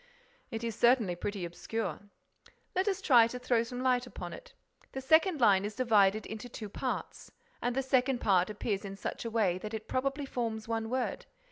"It is certainly pretty obscure." "Let us try to throw some light upon it. The second line is divided into two parts; and the second part appears in such a way that it probably forms one word.